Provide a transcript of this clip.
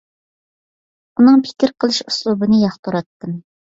ئۇنىڭ پىكىر قىلىش ئۇسلۇبىنى ياقتۇراتتىم.